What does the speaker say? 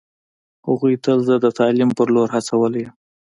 هغوی تل زه د تعلیم په لور هڅولی یم